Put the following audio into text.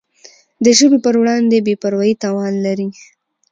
د ژبي پر وړاندي بي پروایي تاوان لري.